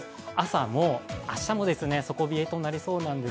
明日も朝、底冷えとなりそうなんです。